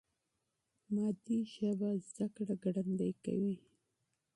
مادي ژبه زده کړه ګړندۍ کوي.